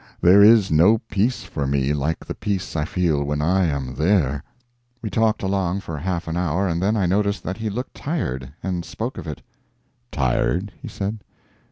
There is no peace for me like the peace I feel when I am there." We talked along for half an hour, and then I noticed that he looked tired, and spoke of it. "Tired?" he said.